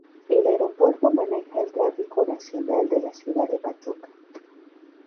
El aeropuerto maneja el tráfico nacional de la ciudad de Pachuca.